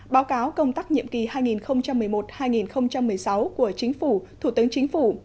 báo cáo công tác nhiệm kỳ hai nghìn một mươi một hai nghìn một mươi sáu của chính phủ thủ tướng chính phủ